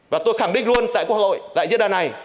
và tôi khẳng định luôn tại quốc hội tại diễn đàn này